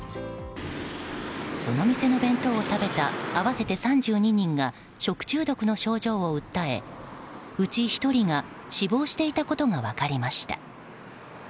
その店の弁当を食べた合わせて３２人が食中毒の症状を訴えうち１人が死亡していたことが分かりました。